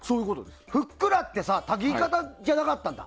ふっくらって炊き方じゃなかったんだ。